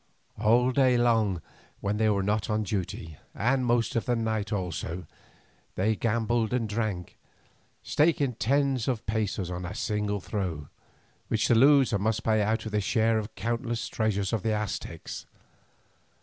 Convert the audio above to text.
All day long, when they were not on duty, and most of the night also, they gambled and drank, staking tens of pesos on a single throw, which the loser must pay out of his share of the countless treasures of the Aztecs.